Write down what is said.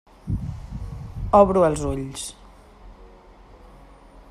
Obro els ulls.